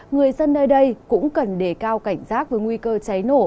người dân nơi đây cũng cần đề cao cảnh giác với nguy cơ cháy nổ